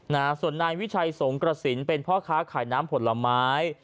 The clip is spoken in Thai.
นะฮะส่วนนายวิชัยสงกระสินเป็นพ่อค้าขายน้ำผลไม้